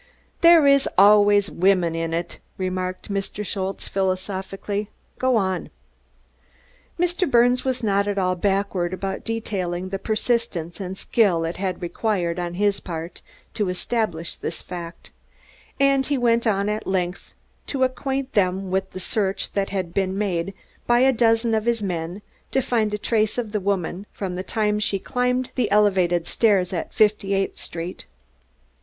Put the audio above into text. "Dere iss alvays wimmins in id," remarked Mr. Schultze philosophically. "Go on." Mr. Birnes was not at all backward about detailing the persistence and skill it had required on his part to establish this fact; and he went on at length to acquaint them with the search that had been made by a dozen of his men to find a trace of the woman from the time she climbed the elevated stairs at Fifty eighth Street.